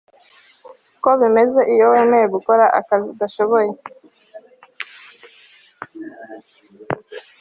ko bimeze iyo wemeye gukora akazi udashoboye